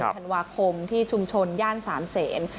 ๑ธันวาคมที่ชุมชนย่านสามเศส